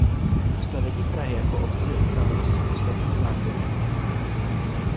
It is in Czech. Postavení Prahy jako obce je upraveno samostatným zákonem.